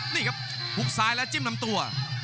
นี่ครับหุบซ้ายและจิ้มลำตัว